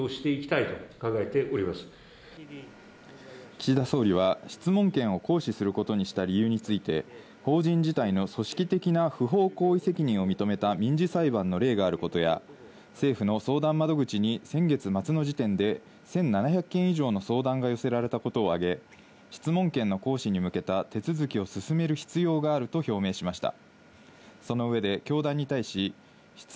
岸田総理は質問権を行使することにした理由について、法人自体の組織的な不法行為責任を認めた民事裁判の例があることや、政府の相談窓口に先月末の時点で１７００件以上の相談が寄せられたことをあげ、質問権の行使に向けた手続きを進める必要があると表明しました。